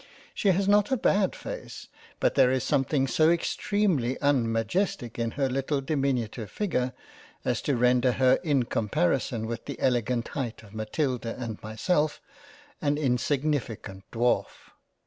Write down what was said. She has not a bad face, but there is something so extremely unmajestic in her little diminutive figure, as to render her in comparison with the elegant height of Matilda and Myself, an insignificant Dwarf.